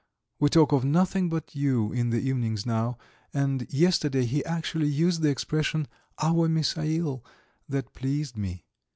We talk of nothing but you in the evenings now, and yesterday he actually used the expression: 'Our Misail.' That pleased me.